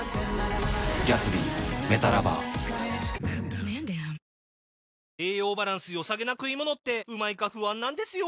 はじまる栄養バランス良さげな食い物ってうまいか不安なんですよ